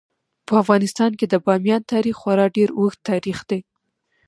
په افغانستان کې د بامیان تاریخ خورا ډیر اوږد تاریخ دی.